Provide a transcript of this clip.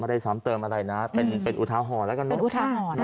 ไม่ได้ซ้อมเติมอะไรนะเป็นเป็นอุท้าห่อแล้วกันเป็นอุท้าห่อนะคะ